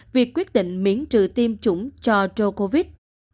việc quyết định miễn trừ tiêm chủng cho dokovic